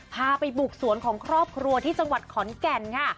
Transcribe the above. พาไปบุกสวนของครอบครัวที่จังหวัดขอนแก่นค่ะ